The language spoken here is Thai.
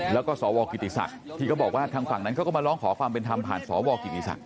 แล้วก็สวกิติศักดิ์ที่เขาบอกว่าทางฝั่งนั้นเขาก็มาร้องขอความเป็นธรรมผ่านสวกิติศักดิ